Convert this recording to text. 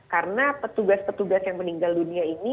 karena petugas petugas yang meninggal dunia ini